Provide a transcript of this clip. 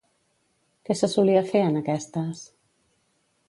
Què se solia fer en aquestes?